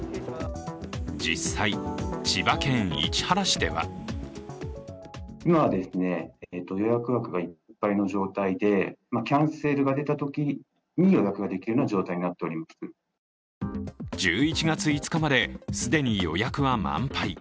実際、千葉県市原市では１１月５日まで既に予約は満杯。